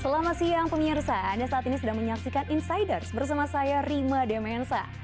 selamat siang pemirsa anda saat ini sedang menyaksikan insiders bersama saya rima demensa